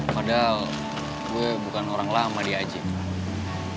padahal gue bukan orang lama di aceh